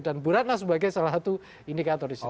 dan bu ratna sebagai salah satu indikator disitu